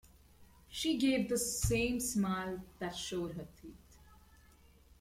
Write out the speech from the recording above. She gave the same smile that showed her teeth.